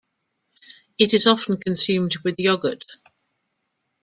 It is often consumed with yogurt.